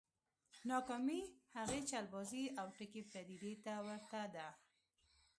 ناکامي هغې چلبازې او ټګې پديدې ته ورته ده.